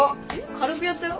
軽くやったよ？